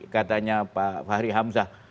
katanya pak fahri hamzah